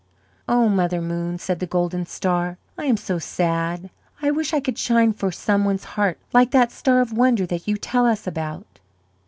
"Oh, Mother Moon," said the golden star. "I am so sad! I wish I could shine for some one's heart like that star of wonder that you tell us about."